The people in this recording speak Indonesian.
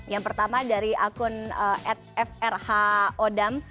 yang pertama dari akun f r h odam